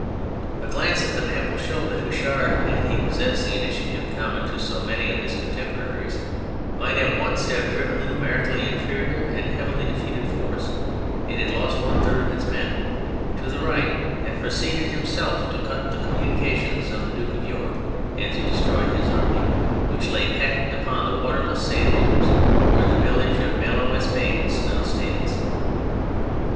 A glance at the map will show that Houchard, had he possessed the initiative common to so many of his contemporaries, might at once have driven the numerically inferior and heavily defeated force (it had lost one third of its men) to the right, and proceeded himself to cut the communications of the Duke of York and to destroy his army, which lay packed upon the waterless sand dunes where the village of Malo les Bains now stands.